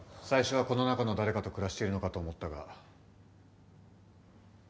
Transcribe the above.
最初はこの中の誰かと暮らしているのかと思ったが。